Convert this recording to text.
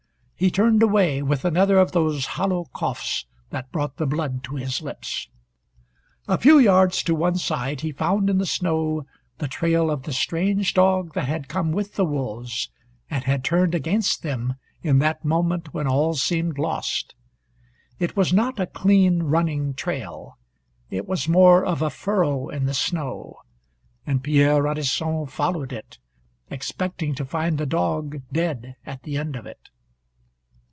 He turned away, with another of those hollow coughs that brought the blood to his lips. A few yards to one side he found in the snow the trail of the strange dog that had come with the wolves, and had turned against them in that moment when all seemed lost. It was not a clean running trail. It was more of a furrow in the snow, and Pierre Radisson followed it, expecting to find the dog dead at the end of it.